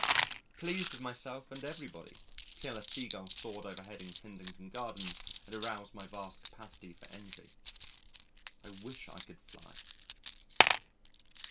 Pleased with myself and everybody till a seagull soared overhead in Kensington Gardens and aroused my vast capacities for envy I wish I could fly.